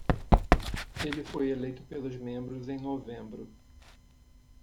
Ele foi eleito pelos membros em novembro.